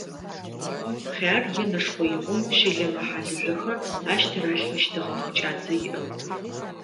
Хъяр е нэшхъэигъом щэлэмэ-хьалыжъохэр ащ тыралъхьащтыгъэх кӏадзэ иӏэу.